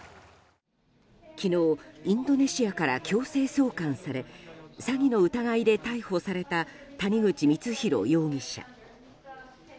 昨日、インドネシアから強制送還され詐欺の疑いで逮捕された谷口光弘容疑者。